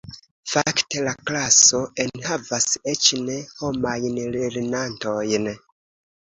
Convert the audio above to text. Fakte, la klaso enhavas eĉ ne-homajn lernantojn.